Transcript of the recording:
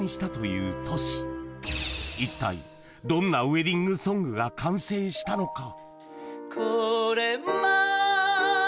一体どんなウエディングソングが完成したのか？